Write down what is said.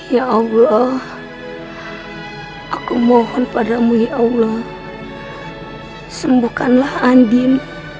ya allah aku mohon padamu ya allah sembuhkanlah andin